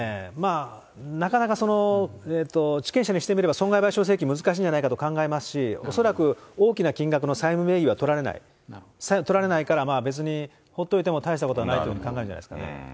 なかなか地権者にしてみれば、損害賠償請求難しいんじゃないかと思いますし、恐らく大きな金額の、とられない、とられないから別にほっといても大したことないというふうに考えるんじゃないんですかね。